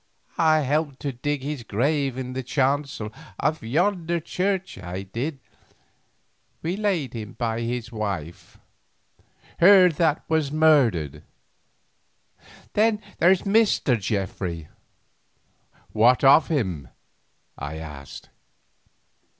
I helped to dig his grave in the chancel of yonder church I did, we laid him by his wife—her that was murdered. Then there's Mr. Geoffrey." "What of him?" I asked.